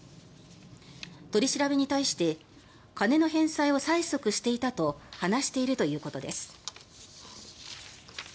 取り調べに対して金の返済を催促していたと話していたということです。